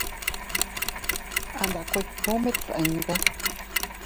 A nda kuiku mit dii bee.